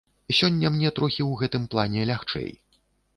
Сёння мне трохі ў гэтым плане лягчэй.